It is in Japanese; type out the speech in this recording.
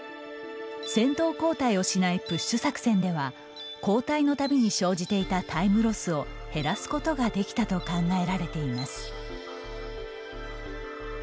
先頭交代をしないプッシュ作戦では交代のたびに生じていたタイムロスを減らすことができたと考えられています。